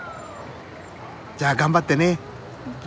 じゃあ頑張ってね。